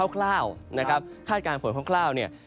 คร่าวนะครับ